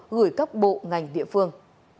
gửi các bộ ngành địa phương